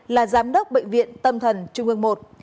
là giám đốc bệnh viện tâm thần trung ương i